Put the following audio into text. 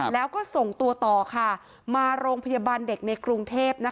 แล้วก็ส่งตัวต่อค่ะมาโรงพยาบาลเด็กในกรุงเทพ